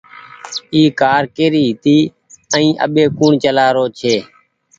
اي ڪآر ڪيري هيتي ائين اٻي ڪوڻ چلآرو ڇي۔